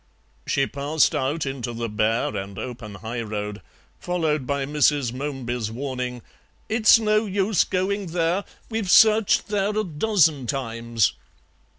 She passed out into the bare and open high road, followed by Mrs. Momeby's warning, "It's no use going there, we've searched there a dozen times."